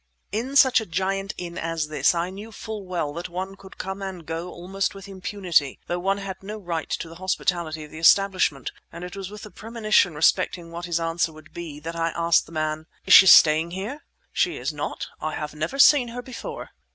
In such a giant inn as this I knew full well that one could come and go almost with impunity, though one had no right to the hospitality of the establishment; and it was with a premonition respecting what his answer would be, that I asked the man— "Is she staying here?" "She is not. I have never seen her before!"